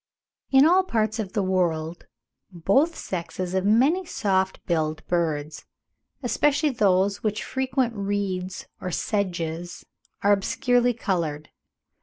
In all parts of the world both sexes of many soft billed birds, especially those which frequent reeds or sedges, are obscurely coloured.